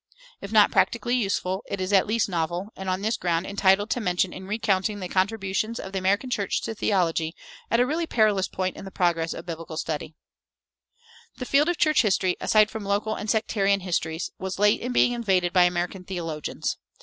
If not practically useful, it is at least novel, and on this ground entitled to mention in recounting the contributions of the American church to theology at a really perilous point in the progress of biblical study. The field of church history, aside from local and sectarian histories, was late in being invaded by American theologians.